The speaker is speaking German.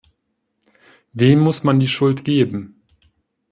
Wem muss man die Schuld geben?